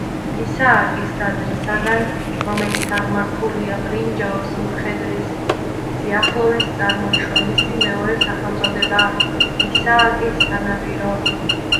ისააკის ტაძრისაგან, რომელიც აღმართულია ბრინჯაოს მხედრის სიახლოვეს, წარმოიშვა მისი მეორე სახელწოდება „ისააკის სანაპირო“.